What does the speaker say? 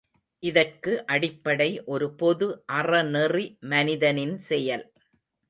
இதற்கு அடிப்படை ஒரு பொது அறநெறி மனிதனின் செயல்!